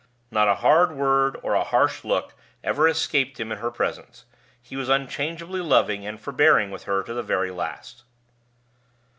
Not a hard word or a harsh look ever escaped him in her presence; he was unchangeably loving and forbearing with her to the very last.